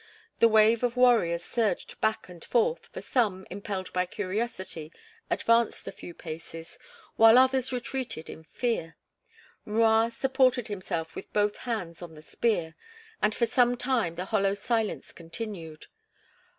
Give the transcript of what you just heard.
The wave of warriors surged back and forth, for some, impelled by curiosity, advanced a few paces, while others retreated in fear. M'Rua supported himself with both hands on the spear and for some time the hollow silence continued.